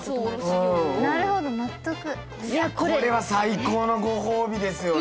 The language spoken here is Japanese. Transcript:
これは最高のご褒美ですよね。